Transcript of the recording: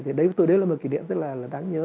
thì tôi thấy là một kỷ niệm rất là đáng nhớ